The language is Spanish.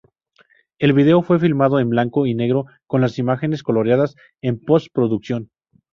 El video fue filmado en blanco y negro con las imágenes coloreadas en post-producción.